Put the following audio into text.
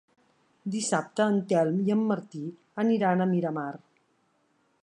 Dissabte en Telm i en Martí aniran a Miramar.